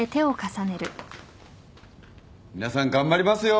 皆さん頑張りますよ！